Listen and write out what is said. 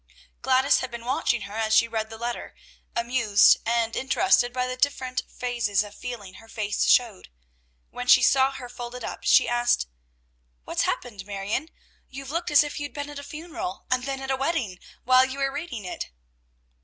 Gladys had been watching her as she read the letter, amused and interested by the different phases of feeling her face showed; when she saw her fold it up, she asked, "What's happened, Marion? You've looked as if you had been at a funeral, and then at a wedding, while you were reading it."